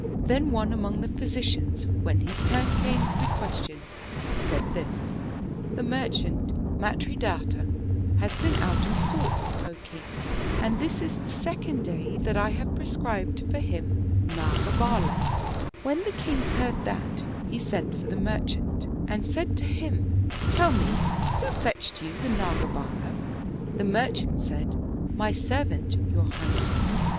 Then one among the physicians, when his turn came to be questioned, said this, " The merchant Matridatta has been out of sorts, O king, and this is the second day, that I have prescribed for him ndgabald," When the king heard that, he sent for the merchant, and said to him, " Tell me, who fetched you the ndgabcUd?" The merchant said, "My servant, your high ness."